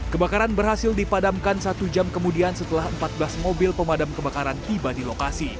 kebakaran berhasil dipadamkan satu jam kemudian setelah empat belas mobil pemadam kebakaran tiba di lokasi